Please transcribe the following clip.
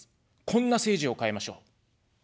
こんな政治を変えましょう。